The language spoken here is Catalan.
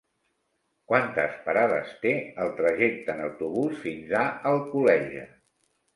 Quantes parades té el trajecte en autobús fins a Alcoleja?